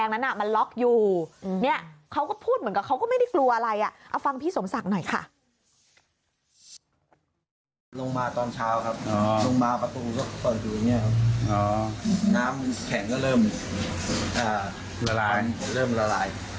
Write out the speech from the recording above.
ลงมาตอนเช้าครับอ๋อลงมาประตูเปิดอยู่อย่างเงี้ยครับอ๋อน้ำมันแข็งก็เริ่มอ่าละลายเริ่มละลาย